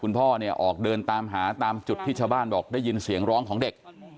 พ่อเนี่ยออกเดินตามหาตามจุดที่ชาวบ้านบอกได้ยินเสียงร้องของเด็ก